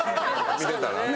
見てたら。